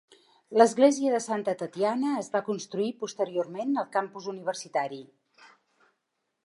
L'església de Santa Tatiana es va construir posteriorment al campus universitari.